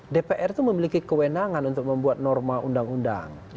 dpr itu memiliki kewenangan untuk membuat norma undang undang